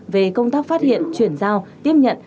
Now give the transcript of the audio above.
về công tác phát hiện chuyển giao tiếp nhận